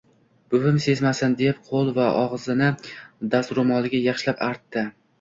Buvim sezmasin, deb qo‘l va og‘zini dastro‘moliga yaxshilab artdi